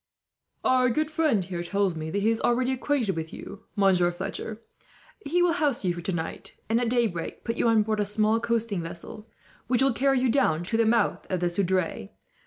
"Our good friend here tells me that he is already acquainted with you, Monsieur Fletcher. He will house you for tonight, and at daybreak put you on board a small coasting vessel, which will carry you down to the mouth of the Seudre.